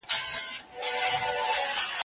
که تاجک دی، که اوزبک دی، یو افغان دی